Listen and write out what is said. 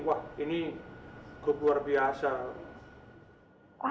wah ini kok luar biasa